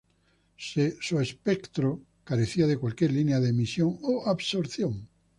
Su espectro carecía de cualquier línea de emisión o absorción.